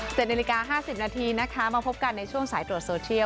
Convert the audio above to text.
เจ็ดนิริกาห้าสิบนาทีนะคะมาพบกันในช่วงสายตรวจโซเชียล